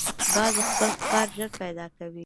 باز خپل ښکار ژر پیدا کوي